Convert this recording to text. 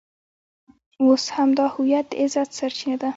اوس همدا هویت د عزت سرچینه ده.